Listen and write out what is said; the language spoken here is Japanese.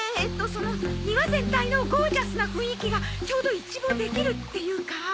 その庭全体のゴージャスな雰囲気がちょうど一望できるっていうかあ。